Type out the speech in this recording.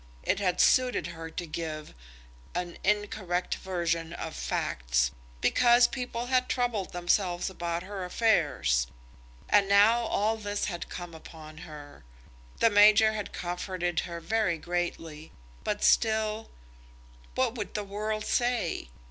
It had suited her to give an incorrect version of facts, because people had troubled themselves about her affairs; and now all this had come upon her! The major had comforted her very greatly; but still, what would the world say?